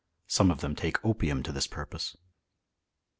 Some of them take opium to this purpose.